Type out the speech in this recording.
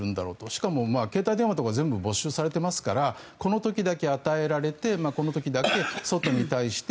しかも携帯電話とかも全部没収されていますからこの時だけ与えられてこの時だけ外に対して